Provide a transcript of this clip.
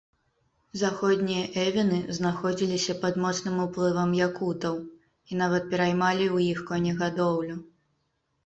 Заходнія эвены знаходзіліся пад моцным уплывам якутаў і нават пераймалі ў іх конегадоўлю.